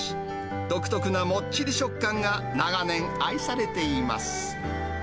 独特なもっちり食感が長年、愛されています。